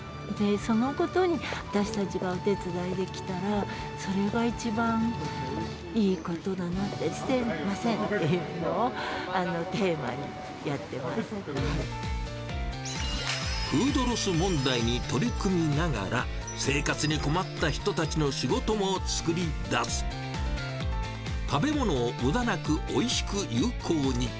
そのことに、私たちがお手伝いできたら、それが一番いいことだなって、捨てませんっていうのを、フードロス問題に取り組みながら、食べ物をむだなくおいしく有効に。